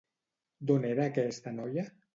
D'on era aquesta noia?